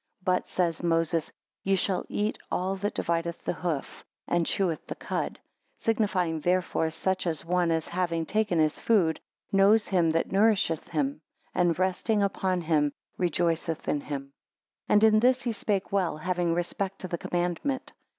16 But, says Moses, ye shall eat all that divideth the hoof, and cheweth the cud. Signifying thereby such an one as having taken his food, knows him that nourisheth him; and resting upon him, rejoiceth in him. 17 And in this he spake well, having respect to the commandment.